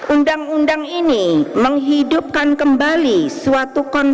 undang undang ini menghidupkan kembali suatu konsep